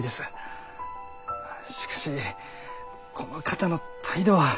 しかしこの方の態度は。